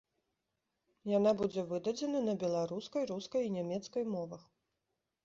Яна будзе выдадзена на беларускай, рускай і нямецкай мовах.